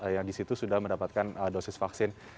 yang disitu sudah mendapatkan dosis vaksin